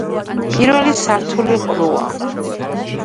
პირველი სართული ყრუა.